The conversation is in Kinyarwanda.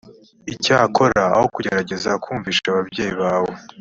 icyakora aho kugerageza kumvisha ababyeyi bawe